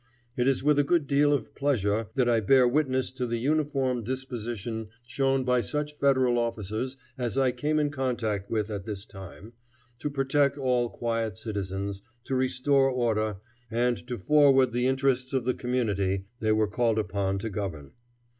It is with a good deal of pleasure that I bear witness to the uniform disposition shown by such Federal officers as I came in contact with at this time, to protect all quiet citizens, to restore order, and to forward the interests of the community they were called upon to govern.